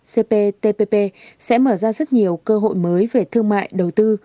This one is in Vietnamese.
cptpp sẽ mở ra rất nhiều cơ hội mới về thương mại đầu tư